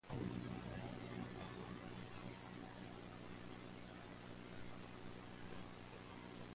Georg Gross is the son of the Estonian entrepreneur Oleg Gross.